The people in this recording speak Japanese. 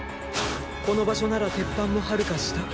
この場所なら鉄板も遥か下。